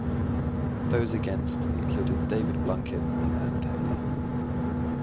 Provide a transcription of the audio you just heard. Those against included David Blunkett and Ann Taylor.